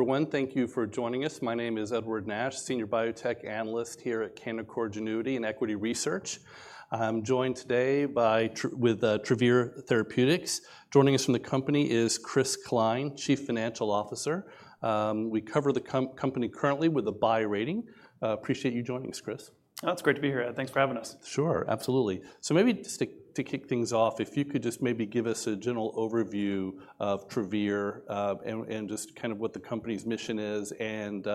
Everyone, thank you for joining us. My name is Edward Nash, Senior Biotech Analyst here at Canaccord Genuity and Equity Research. I'm joined today by Travere Therapeutics. Joining us from the company is Chris Cline, Chief Financial Officer. We cover the company currently with a buy rating. Appreciate you joining us, Chris. Oh, it's great to be here, Ed. Thanks for having us. Sure, absolutely. So maybe just to kick things off, if you could just maybe give us a general overview of Travere, and just kind of what the company's mission is, and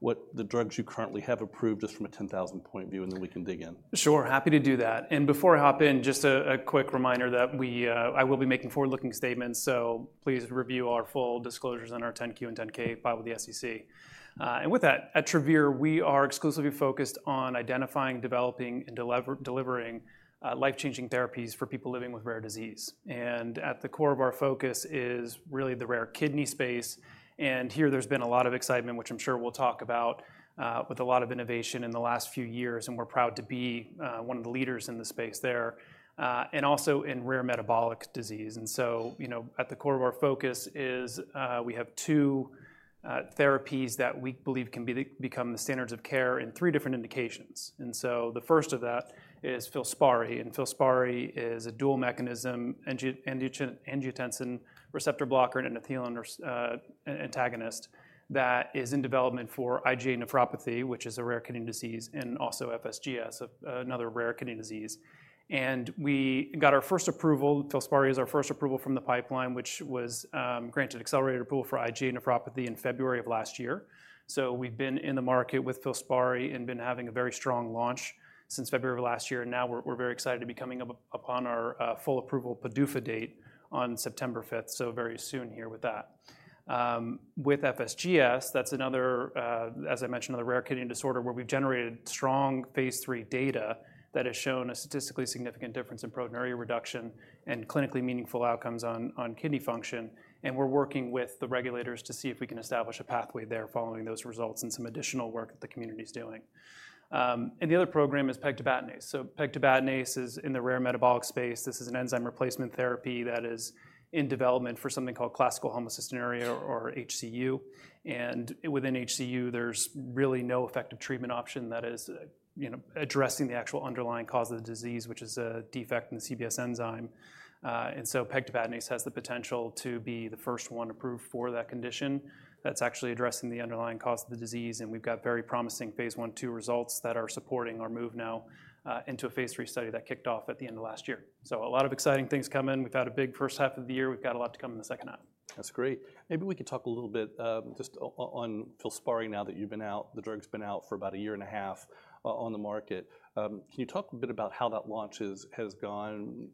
what the drugs you currently have approved, just from a 10,000-ft view, and then we can dig in. Sure, happy to do that. Before I hop in, just a quick reminder that I will be making forward-looking statements, so please review our full disclosures on our 10-Q and 10-K filed with the SEC. With that, at Travere, we are exclusively focused on identifying, developing, and delivering life-changing therapies for people living with rare disease. At the core of our focus is really the rare kidney space, and here there's been a lot of excitement, which I'm sure we'll talk about, with a lot of innovation in the last few years, and we're proud to be one of the leaders in the space there, and also in rare metabolic disease. And so, you know, at the core of our focus is, we have two therapies that we believe can become the standards of care in three different indications. And so the first of that is FILSPARI, and FILSPARI is a dual mechanism angiotensin receptor blocker and an endothelin antagonist, that is in development for IgA nephropathy, which is a rare kidney disease, and also FSGS, another rare kidney disease. And we got our first approval, FILSPARI is our first approval from the pipeline, which was granted accelerated approval for IgA nephropathy in February of last year. So we've been in the market with FILSPARI and been having a very strong launch since February of last year, and now we're, we're very excited to be coming up upon our full approval PDUFA date on September 5th, so very soon here with that. With FSGS, that's another, as I mentioned, another rare kidney disorder where we've generated strong Phase III data that has shown a statistically significant difference in proteinuria reduction and clinically meaningful outcomes on kidney function. And we're working with the regulators to see if we can establish a pathway there following those results and some additional work that the community's doing. And the other program is pegtibatinase. So pegtibatinase is in the rare metabolic space. This is an enzyme replacement therapy that is in development for something called classical homocystinuria or HCU, and within HCU, there's really no effective treatment option that is, you know, addressing the actual underlying cause of the disease, which is a defect in the CBS enzyme. And so pegtibatinase has the potential to be the first one approved for that condition. That's actually addressing the underlying cause of the disease, and we've got very promising phase I and II results that are supporting our move now, into a phase III study that kicked off at the end of last year. So a lot of exciting things coming. We've had a big first half of the year. We've got a lot to come in the second half. That's great. Maybe we could talk a little bit, just on FILSPARI now that the drug's been out for about a year and a half on the market. Can you talk a bit about how that launch has gone,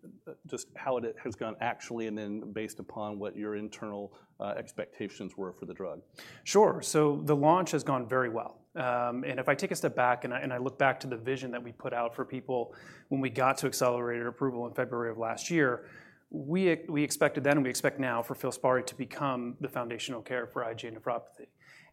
just how it has gone actually, and then based upon what your internal expectations were for the drug? Sure. So the launch has gone very well. And if I take a step back, and I look back to the vision that we put out for people when we got to accelerated approval in February of last year, we expected then, and we expect now, for FILSPARI to become the foundational care for IgA nephropathy.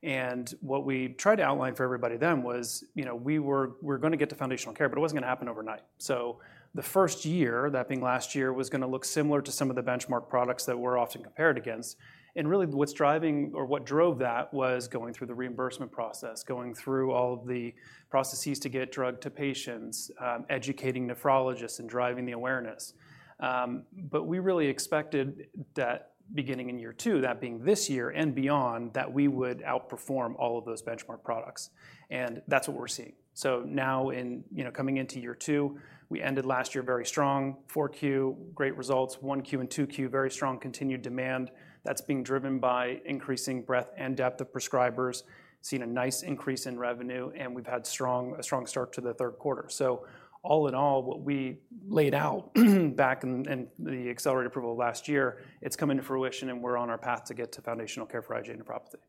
And what we tried to outline for everybody then was, you know, we're going to get to foundational care, but it wasn't gonna happen overnight. So the first year, that being last year, was gonna look similar to some of the benchmark products that we're often compared against. And really, what's driving or what drove that was going through the reimbursement process, going through all of the processes to get drug to patients, educating nephrologists, and driving the awareness. But we really expected that beginning in year two, that being this year and beyond, that we would outperform all of those benchmark products, and that's what we're seeing. So now in, you know, coming into year two, we ended last year very strong, Q4 great results, Q1 and Q2 very strong continued demand that's being driven by increasing breadth and depth of prescribers, seeing a nice increase in revenue, and we've had a strong start to the third quarter. So all in all, what we laid out back in the accelerated approval of last year, it's coming to fruition, and we're on our path to get to foundational care for IgA nephropathy.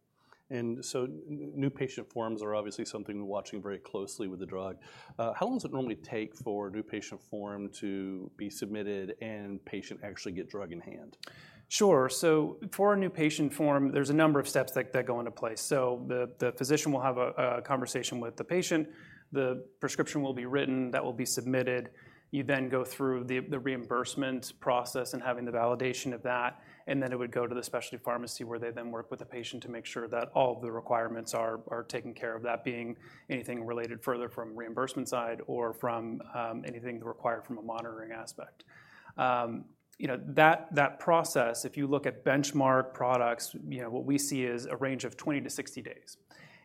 New patient forms are obviously something we're watching very closely with the drug. How long does it normally take for a new patient form to be submitted and patient actually get drug in hand? Sure. So for a new patient form, there's a number of steps that go into place. So the physician will have a conversation with the patient, the prescription will be written, that will be submitted. You then go through the reimbursement process and having the validation of that, and then it would go to the specialty pharmacy, where they then work with the patient to make sure that all of the requirements are taken care of, that being anything related further from reimbursement side or from anything required from a monitoring aspect. You know, that process, if you look at benchmark products, you know, what we see is a range of 20-60 days.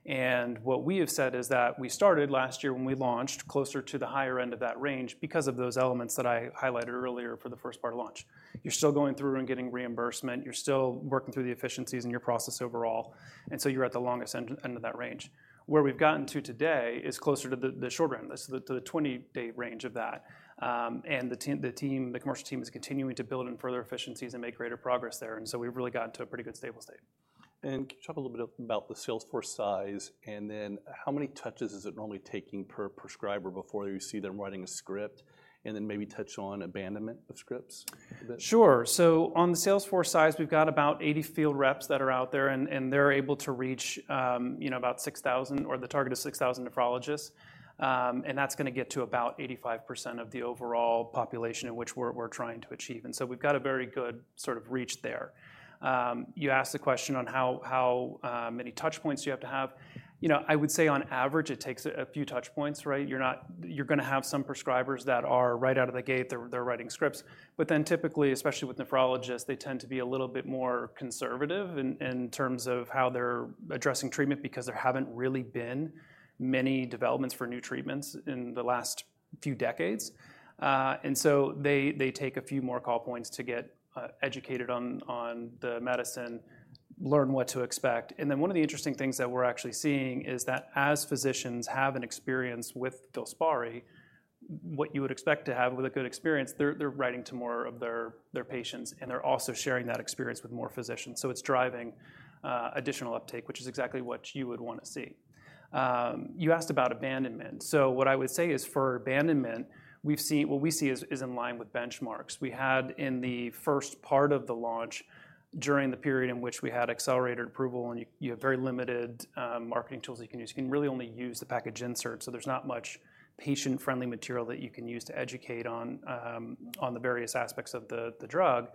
What we have said is that we started last year when we launched closer to the higher end of that range because of those elements that I highlighted earlier for the first part of launch. You're still going through and getting reimbursement, you're still working through the efficiencies in your process overall, and so you're at the longest end of that range. Where we've gotten to today is closer to the shorter end, the 20-day range of that. And the commercial team is continuing to build in further efficiencies and make greater progress there, and so we've really gotten to a pretty good stable state. And can you talk a little bit about the sales force size, and then how many touches is it normally taking per prescriber before you see them writing a script? And then maybe touch on abandonment of scripts? Sure. So on the sales force size, we've got about 80 field reps that are out there, and they're able to reach, you know, about 6,000 or the target of 6,000 nephrologists. And that's gonna get to about 85% of the overall population in which we're trying to achieve, and so we've got a very good sort of reach there. You asked the question on how many touch points do you have to have. You know, I would say on average, it takes a few touch points, right? You're not-- You're gonna have some prescribers that are right out of the gate, they're writing scripts. But then typically, especially with nephrologists, they tend to be a little bit more conservative in terms of how they're addressing treatment, because there haven't really been many developments for new treatments in the last few decades. And so they take a few more call points to get educated on the medicine, learn what to expect. And then one of the interesting things that we're actually seeing is that as physicians have an experience with FILSPARI, what you would expect to have with a good experience, they're writing to more of their patients, and they're also sharing that experience with more physicians. So it's driving additional uptake, which is exactly what you would wanna see. You asked about abandonment. So what I would say is, for abandonment, we've seen... What we see is in line with benchmarks. We had in the first part of the launch, during the period in which we had accelerated approval, and you, you have very limited, marketing tools that you can use. You can really only use the package insert, so there's not much patient-friendly material that you can use to educate on, on the various aspects of the, the drug.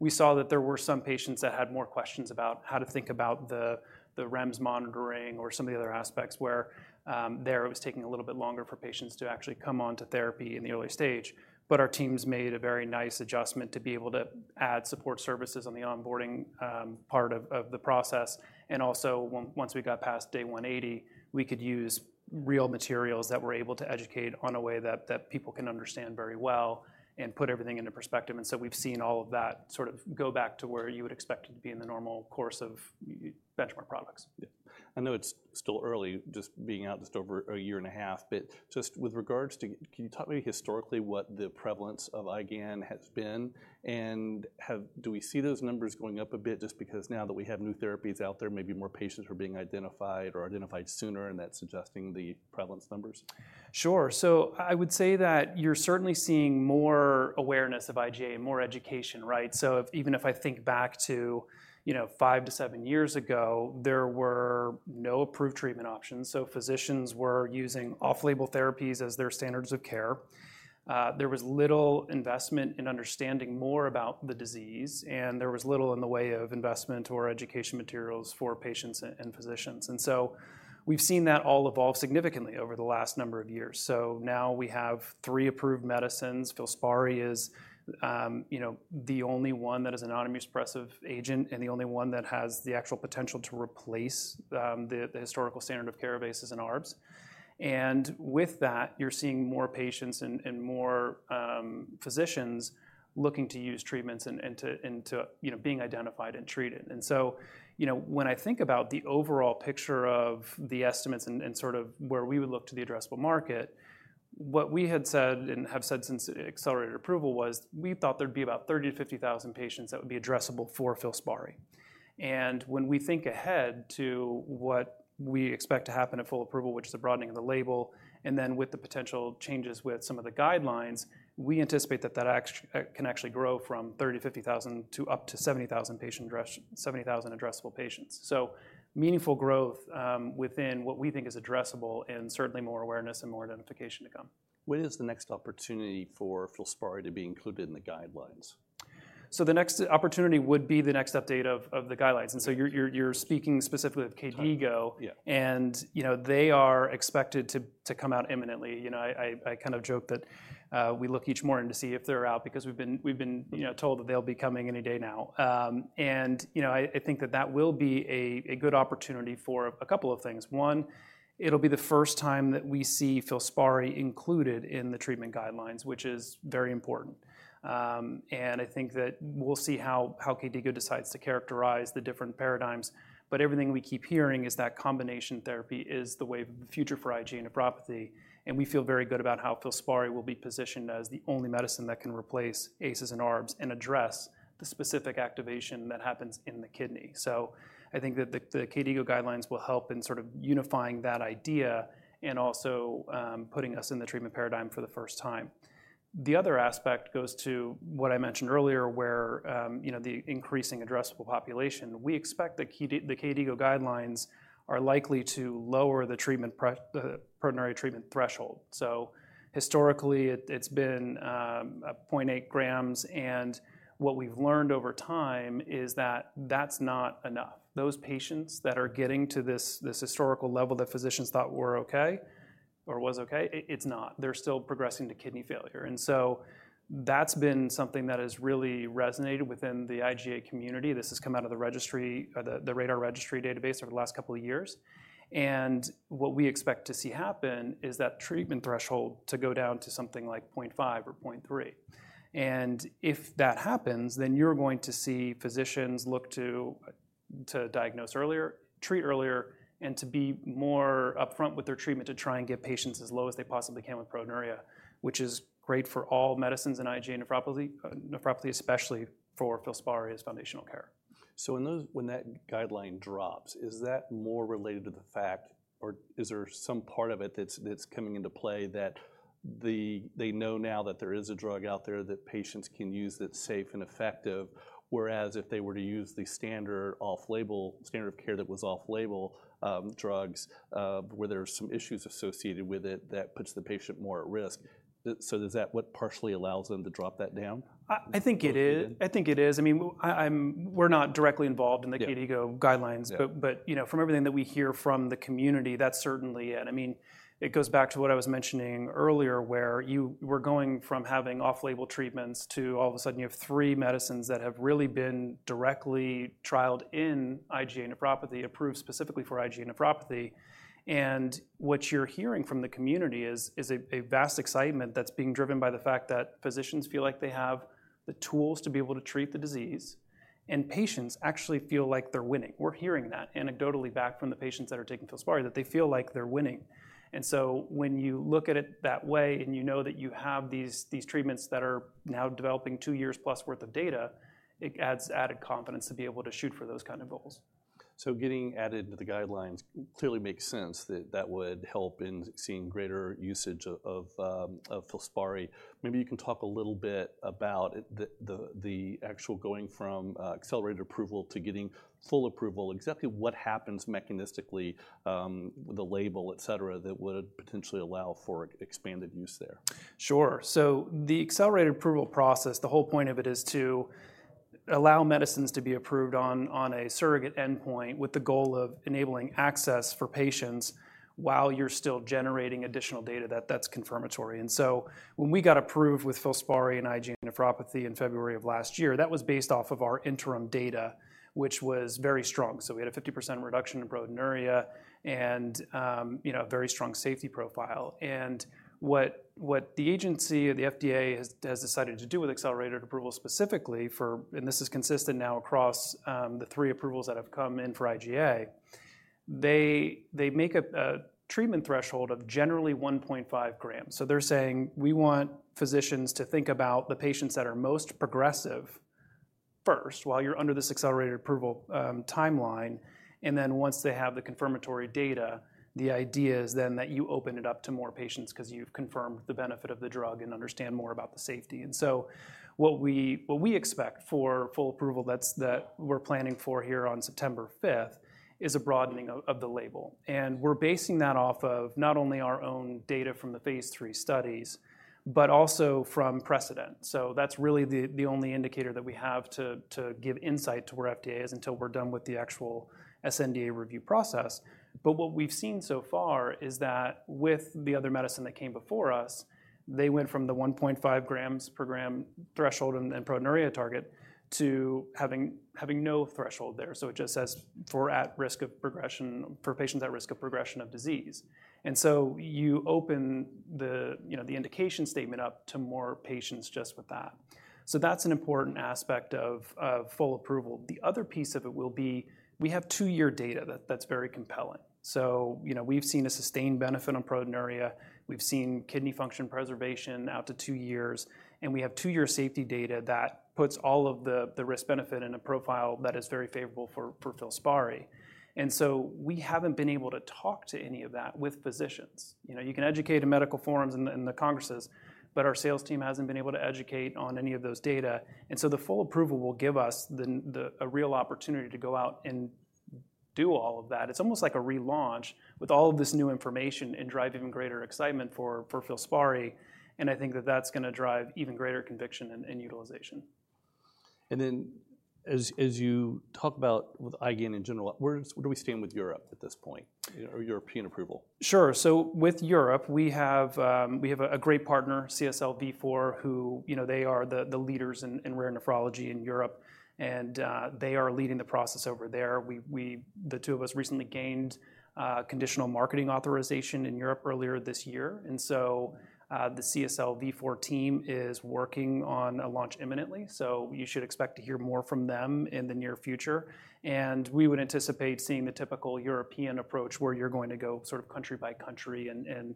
We saw that there were some patients that had more questions about how to think about the, the REMS monitoring or some of the other aspects, where, there, it was taking a little bit longer for patients to actually come on to therapy in the early stage. But our teams made a very nice adjustment to be able to add support services on the onboarding part of the process, and also, once we got past day 180, we could use real materials that were able to educate on a way that people can understand very well and put everything into perspective. And so we've seen all of that sort of go back to where you would expect it to be in the normal course of your benchmark products. Yeah. I know it's still early, just being out just over a year and a half, but just with regards to... Can you talk to me historically, what the prevalence of IgA has been, and do we see those numbers going up a bit, just because now that we have new therapies out there, maybe more patients are being identified or identified sooner, and that's adjusting the prevalence numbers? Sure. So I would say that you're certainly seeing more awareness of IgA, more education, right? Even if I think back to, you know, 5-7 years ago, there were no approved treatment options, so physicians were using off-label therapies as their standards of care. There was little investment in understanding more about the disease, and there was little in the way of investment or education materials for patients and physicians. And so we've seen that all evolve significantly over the last number of years. So now we have 3 approved medicines. FILSPARI is, you know, the only one that is a non-immunosuppressive agent and the only one that has the actual potential to replace the historical standard of care of ACEIs and ARBs. And with that, you're seeing more patients and more physicians looking to use treatments and to, you know, being identified and treated. And so, you know, when I think about the overall picture of the estimates and sort of where we would look to the addressable market, what we had said and have said since accelerated approval was, we thought there'd be about 30,000-50,000 patients that would be addressable for FILSPARI. And when we think ahead to what we expect to happen at full approval, which is the broadening of the label, and then with the potential changes with some of the guidelines, we anticipate that that can actually grow from 30,000-50,000 to up to 70,000 patient addressable. Seventy thousand addressable patients. So meaningful growth within what we think is addressable and certainly more awareness and more identification to come. When is the next opportunity for FILSPARI to be included in the guidelines? The next opportunity would be the next update of the guidelines. So you're speaking specifically of KDIGO. Yeah. and, you know, they are expected to come out imminently. You know, I kind of joke that we look each morning to see if they're out, because we've been told that they'll be coming any day now. And, you know, I think that that will be a good opportunity for a couple of things. One, it'll be the first time that we see FILSPARI included in the treatment guidelines, which is very important. And I think that we'll see how KDIGO decides to characterize the different paradigms, but everything we keep hearing is that combination therapy is the way of the future for IgA nephropathy, and we feel very good about how FILSPARI will be positioned as the only medicine that can replace ACEIs and ARBs and address the specific activation that happens in the kidney. So I think that the KDIGO guidelines will help in sort of unifying that idea and also, putting us in the treatment paradigm for the first time. The other aspect goes to what I mentioned earlier, where, you know, the increasing addressable population. We expect the KDIGO guidelines are likely to lower the preliminary treatment threshold. So historically, it's been, a 0.8 g, and what we've learned over time is that that's not enough. Those patients that are getting to this historical level that physicians thought were okay or was okay, it's not. They're still progressing to kidney failure. And so that's been something that has really resonated within the IgA community. This has come out of the registry, the RaDaR registry database over the last couple of years. What we expect to see happen is that treatment threshold to go down to something like 0.5 or 0.3. If that happens, then you're going to see physicians look to diagnose earlier, treat earlier, and to be more upfront with their treatment to try and get patients as low as they possibly can with proteinuria, which is great for all medicines in IgA nephropathy, nephropathy, especially for FILSPARI as foundational care. So when those, when that guideline drops, is that more related to the fact or is there some part of it that's coming into play that they know now that there is a drug out there that patients can use that's safe and effective, whereas if they were to use the standard off-label standard of care that was off-label drugs, where there are some issues associated with it, that puts the patient more at risk. So is that what partially allows them to drop that down? I think it is. I think it is. I mean, we're not directly involved in the KDIGO guidelines. Yeah. But you know, from everything that we hear from the community, that's certainly it. I mean, it goes back to what I was mentioning earlier, where we're going from having off-label treatments to, all of a sudden, you have three medicines that have really been directly trialed in IgA nephropathy, approved specifically for IgA nephropathy. And what you're hearing from the community is a vast excitement that's being driven by the fact that physicians feel like they have the tools to be able to treat the disease, and patients actually feel like they're winning. We're hearing that anecdotally back from the patients that are taking FILSPARI, that they feel like they're winning. And so when you look at it that way, and you know that you have these, these treatments that are now developing 2 years plus worth of data, it adds added confidence to be able to shoot for those kind of goals. So getting added to the guidelines clearly makes sense, that that would help in seeing greater usage of FILSPARI. Maybe you can talk a little bit about the actual going from accelerated approval to getting full approval. Exactly what happens mechanistically with the label, et cetera, that would potentially allow for expanded use there? Sure. So the accelerated approval process, the whole point of it is to allow medicines to be approved on a surrogate endpoint, with the goal of enabling access for patients while you're still generating additional data that that's confirmatory. And so when we got approved with FILSPARI and IgA nephropathy in February of last year, that was based off of our interim data, which was very strong. So we had a 50% reduction in proteinuria and, you know, a very strong safety profile. And what the agency or the FDA has decided to do with accelerated approval, specifically for... And this is consistent now across the three approvals that have come in for IgA. They make a treatment threshold of generally 1.5 g. So they're saying: We want physicians to think about the patients that are most progressive first, while you're under this accelerated approval timeline. Then, once they have the confirmatory data, the idea is then that you open it up to more patients because you've confirmed the benefit of the drug and understand more about the safety. So what we expect for full approval that's that we're planning for here on September fifth is a broadening of the label, and we're basing that off of not only our own data from the phase III studies but also from precedent. So that's really the only indicator that we have to give insight to where FDA is until we're done with the actual sNDA review process. But what we've seen so far is that with the other medicine that came before us, they went from the 1.5 g per gram threshold and proteinuria target to having no threshold there. So it just says, "For at risk of progression, for patients at risk of progression of disease." And so you open the, you know, the indication statement up to more patients just with that. So that's an important aspect of full approval. The other piece of it will be, we have two-year data that's very compelling. So, you know, we've seen a sustained benefit on proteinuria, we've seen kidney function preservation out to two years, and we have two-year safety data that puts all of the risk-benefit in a profile that is very favorable for FILSPARI. And so we haven't been able to talk to any of that with physicians. You know, you can educate in medical forums and the congresses, but our sales team hasn't been able to educate on any of those data. And so the full approval will give us the, a real opportunity to go out and do all of that. It's almost like a relaunch with all of this new information and drive even greater excitement for FILSPARI, and I think that that's gonna drive even greater conviction and utilization. And then, as you talk about with IgAN in general, where do we stand with Europe at this point, or European approval? Sure. So with Europe, we have a great partner, CSL Vifor, who, you know, they are the leaders in rare nephrology in Europe, and they are leading the process over there. The two of us recently gained conditional marketing authorization in Europe earlier this year, and so the CSL Vifor team is working on a launch imminently. So you should expect to hear more from them in the near future, and we would anticipate seeing the typical European approach, where you're going to go sort of country by country and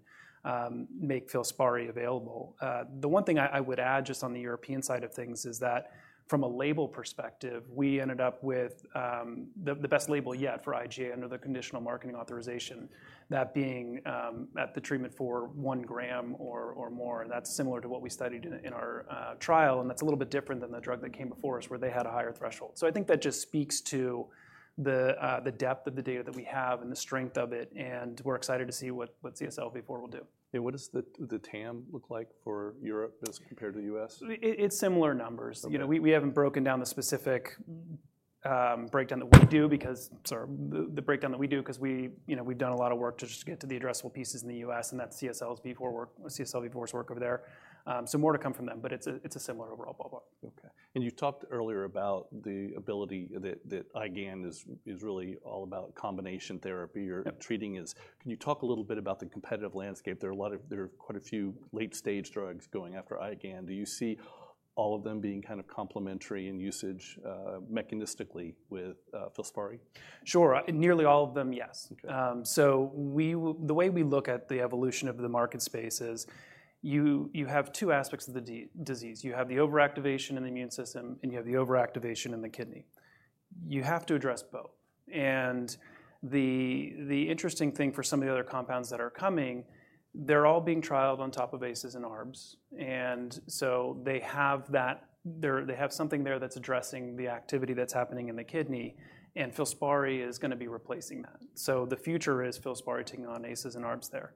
make FILSPARI available. The one thing I would add, just on the European side of things, is that from a label perspective, we ended up with the best label yet for IgA under the conditional marketing authorization. That being at the treatment for 1 g or more, and that's similar to what we studied in our trial, and that's a little bit different than the drug that came before us, where they had a higher threshold. So I think that just speaks to the depth of the data that we have and the strength of it, and we're excited to see what CSL Vifor will do. What does the TAM look like for Europe as compared to the U.S.? It's similar numbers. Okay. You know, we haven't broken down the specific breakdown that we do because... Sorry, the breakdown that we do because we, you know, we've done a lot of work to just get to the addressable pieces in the U.S., and that's CSL Vifor's work-CSL Vifor's work over there. So more to come from them, but it's a similar overall profile. Okay. And you talked earlier about the ability that IgAN is really all about combination therapy or treating is. Can you talk a little bit about the competitive landscape? There are quite a few late-stage drugs going after IgAN. Do you see all of them being kind of complementary in usage, mechanistically with FILSPARI? Sure, nearly all of them, yes. Okay. So the way we look at the evolution of the market space is, you have two aspects of the disease. You have the overactivation in the immune system, and you have the overactivation in the kidney. You have to address both. And the interesting thing for some of the other compounds that are coming, they're all being trialed on top of ACEIs and ARBs, and so they have that - they have something there that's addressing the activity that's happening in the kidney, and FILSPARI is gonna be replacing that. So the future is FILSPARI taking on ACEIs and ARBs there.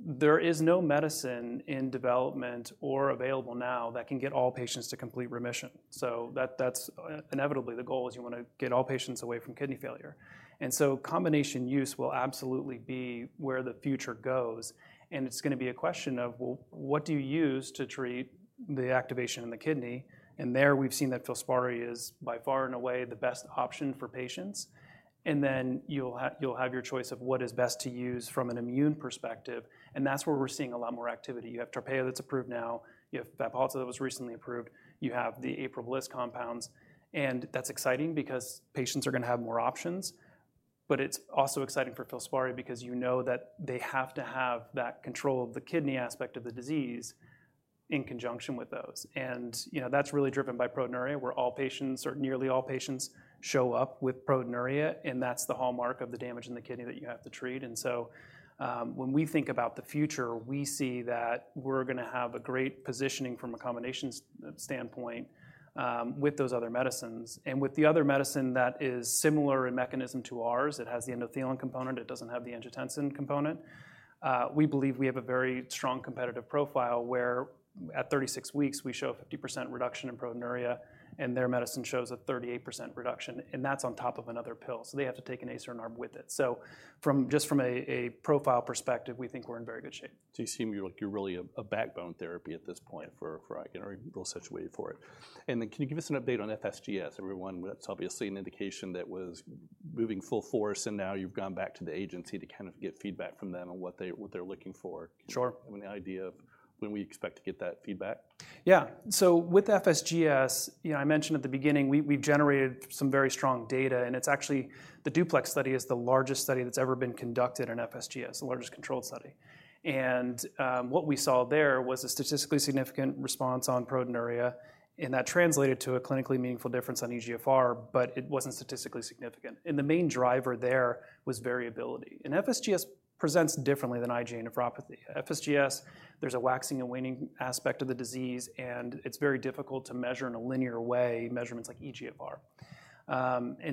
There is no medicine in development or available now that can get all patients to complete remission. So that's inevitably the goal, is you wanna get all patients away from kidney failure. And so combination use will absolutely be where the future goes, and it's gonna be a question of, well, what do you use to treat the activation in the kidney? There we've seen that FILSPARI is by far and away the best option for patients. And then you'll have your choice of what is best to use from an immune perspective, and that's where we're seeing a lot more activity. You have TARPEYO that's approved now, you have Fabhalta that was recently approved, you have the APRIL/BLyS compounds, and that's exciting because patients are gonna have more options. But it's also exciting for FILSPARI because you know that they have to have that control of the kidney aspect of the disease in conjunction with those. You know, that's really driven by proteinuria, where all patients, or nearly all patients, show up with proteinuria, and that's the hallmark of the damage in the kidney that you have to treat. When we think about the future, we see that we're gonna have a great positioning from a combinations standpoint, with those other medicines. With the other medicine that is similar in mechanism to ours, it has the endothelin component, it doesn't have the angiotensin component, we believe we have a very strong competitive profile, where at 36 weeks, we show a 50% reduction in proteinuria, and their medicine shows a 38% reduction, and that's on top of another pill, so they have to take an ACE or an ARB with it. Just from a profile perspective, we think we're in very good shape. So you seem like you're really a backbone therapy at this point for the renal indication for it. Then, can you give us an update on FSGS? Everyone, that's obviously an indication that was moving full force, and now you've gone back to the agency to kind of get feedback from them on what they're looking for. Sure. Do you have any idea of when we expect to get that feedback? Yeah. So with FSGS, you know, I mentioned at the beginning, we've generated some very strong data, and it's actually the DUPLEX study is the largest study that's ever been conducted on FSGS, the largest controlled study. What we saw there was a statistically significant response on proteinuria, and that translated to a clinically meaningful difference on eGFR, but it wasn't statistically significant. The main driver there was variability. FSGS presents differently than IgA nephropathy. FSGS, there's a waxing and waning aspect of the disease, and it's very difficult to measure in a linear way, measurements like eGFR.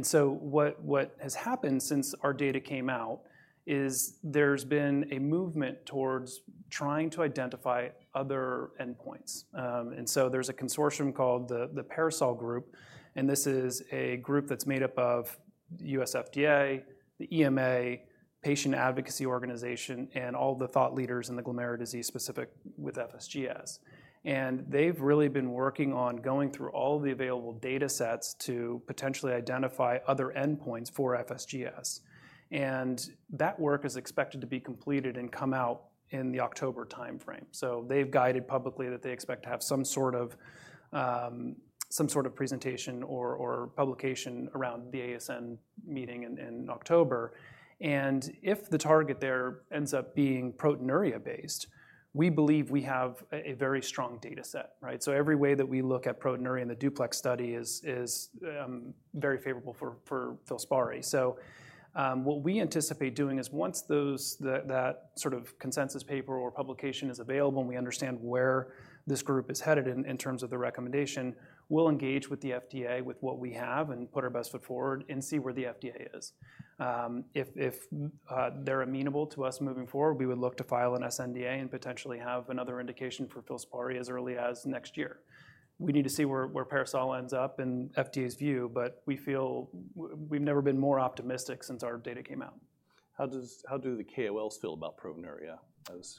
So what has happened since our data came out is there's been a movement towards trying to identify other endpoints. And so there's a consortium called the PARASOL Group, and this is a group that's made up of U.S. FDA, the EMA, patient advocacy organization, and all the thought leaders in the glomerular disease specific with FSGS. And they've really been working on going through all the available datasets to potentially identify other endpoints for FSGS. And that work is expected to be completed and come out in the October timeframe. So they've guided publicly that they expect to have some sort of presentation or publication around the ASN meeting in October. And if the target there ends up being proteinuria based, we believe we have a very strong dataset, right? So every way that we look at proteinuria in the DUPLEX study is very favorable for FILSPARI. So what we anticipate doing is once those... That sort of consensus paper or publication is available, and we understand where this group is headed in terms of the recommendation. We'll engage with the FDA with what we have, and put our best foot forward and see where the FDA is. If they're amenable to us moving forward, we would look to file an sNDA and potentially have another indication for FILSPARI as early as next year. We need to see where PARASOL ends up in FDA's view, but we feel we've never been more optimistic since our data came out. How do the KOLs feel about proteinuria as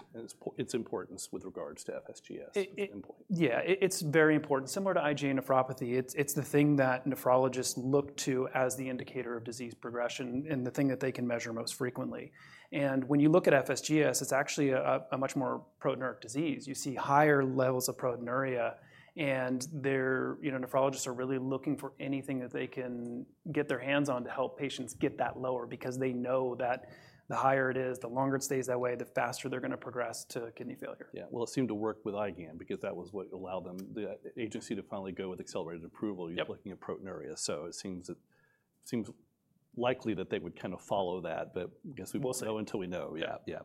its importance with regards to FSGS, as an endpoint? Yeah, it's very important. Similar to IgA nephropathy, it's the thing that nephrologists look to as the indicator of disease progression and the thing that they can measure most frequently. When you look at FSGS, it's actually a much more proteinuria disease. You see higher levels of proteinuria, and they're, you know, nephrologists are really looking for anything that they can get their hands on to help patients get that lower, because they know that the higher it is, the longer it stays that way, the faster they're gonna progress to kidney failure. Yeah. Well, it seemed to work with IgAN because that was what allowed them, the agency to finally go with accelerated approval looking at proteinuria. So it seems likely that they would kind of follow that, but I guess we won't know until we know. Yeah. Yeah. Yeah.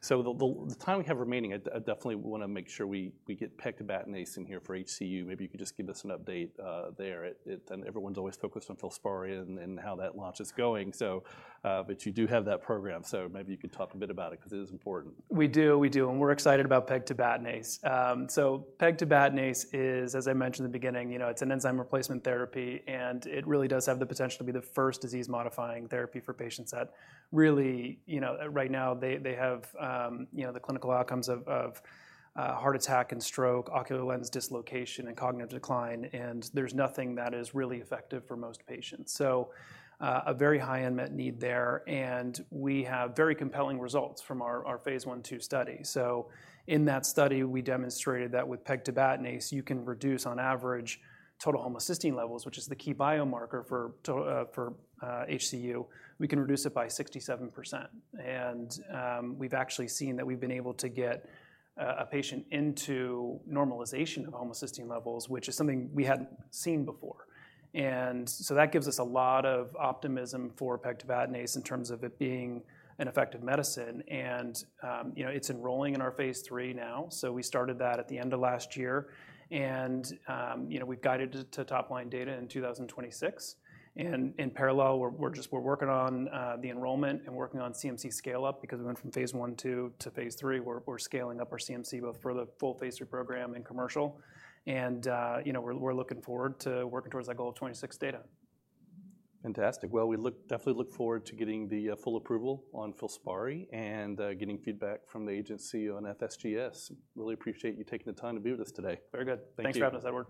So the time we have remaining, I'd definitely wanna make sure we get pegtibatinase in here for HCU. Maybe you could just give us an update there. It and everyone's always focused on FILSPARI and how that launch is going. So, but you do have that program, so maybe you could talk a bit about it, because it is important. We do, we do, and we're excited about pegtibatinase. So pegtibatinase is, as I mentioned in the beginning, you know, it's an enzyme replacement therapy, and it really does have the potential to be the first disease-modifying therapy for patients that really, you know, right now, they, they have, you know, the clinical outcomes of, of, heart attack and stroke, ocular lens dislocation, and cognitive decline, and there's nothing that is really effective for most patients. So, a very high unmet need there, and we have very compelling results from our, our phase I and II study. So in that study, we demonstrated that with pegtibatinase, you can reduce, on average, total homocysteine levels, which is the key biomarker for HCU. We can reduce it by 67%, and we've actually seen that we've been able to get a patient into normalization of homocysteine levels, which is something we hadn't seen before. And so that gives us a lot of optimism for pegtibatinase in terms of it being an effective medicine, and you know, it's enrolling in our phase III now. So we started that at the end of last year, and you know, we've guided to top-line data in 2026. And in parallel, we're working on the enrollment and working on CMC scale-up, because we went from phase I/II to phase III, we're scaling up our CMC both for the full phase III program and commercial. And you know, we're looking forward to working towards that goal of 2026 data. Fantastic. Well, we definitely look forward to getting the full approval on FILSPARI and getting feedback from the agency on FSGS. Really appreciate you taking the time to be with us today. Very good. Thank you. Thanks for having us, Edward.